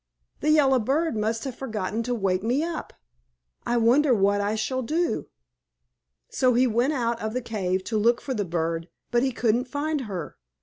The yellow bird must have forgotten to wake me up. I wonder what I shall do?" So he went out of the cave to look for the bird, but he couldn't find her.